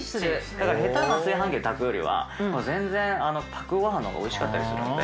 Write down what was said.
だから下手な炊飯器で炊くよりは全然パックごはんのほうがおいしかったりするので。